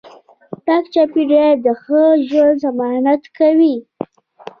پاک چاپیریال د ښه ژوند ضمانت کوي